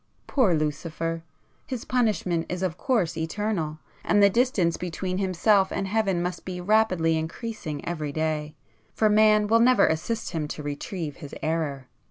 Poor Lucifer! His punishment is of course eternal, and the distance between himself and Heaven must be rapidly increasing every day,—for Man will never assist him to retrieve his error.